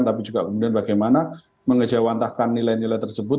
tapi juga kemudian bagaimana mengejawantahkan nilai nilai tersebut